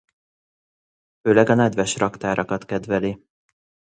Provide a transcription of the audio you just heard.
Főleg a nedves raktárakat kedveli.